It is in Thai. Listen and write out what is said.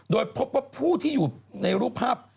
โดยพบว่าผู้ที่อยู่ในรูปภาพ